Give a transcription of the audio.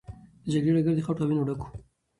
د جګړې ډګر د خټو او وینو ډک و.